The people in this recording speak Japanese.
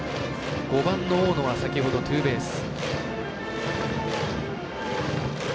５番の大野は先ほどツーベース。